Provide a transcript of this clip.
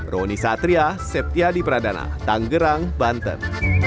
roni satria septiadi pradana tanggerang banten